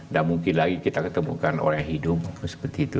dan mungkin lagi kita ketemukan orang yang hidup seperti itu